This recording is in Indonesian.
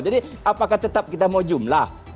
jadi apakah tetap kita mau jumlah